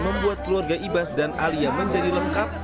membuat keluarga ibas dan alia menjadi lengkap